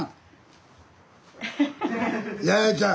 弥生ちゃん。